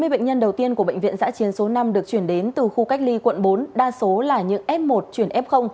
hai mươi bệnh nhân đầu tiên của bệnh viện giã chiến số năm được chuyển đến từ khu cách ly quận bốn đa số là những f một chuyển f